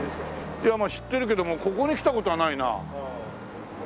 いやまあ知ってるけどもここに来た事はないなあ。